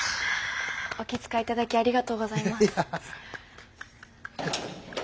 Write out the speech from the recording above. お気遣い頂きありがとうございます。